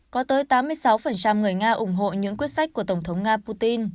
có tới tám mươi sáu người nga ủng hộ những quyết sách của tổng thống nga putin